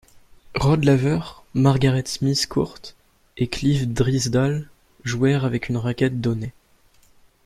Rod Laver, Margaret Smith Court et Cliff Drysdale jouèrent avec une raquette Donnay.